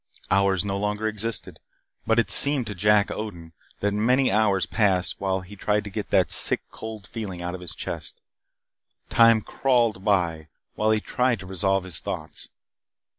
Hours no longer existed, but it seemed to Jack Odin that many hours passed while he tried to get that sick, cold feeling out of his chest. Time crawled by while he tried to resolve his thoughts.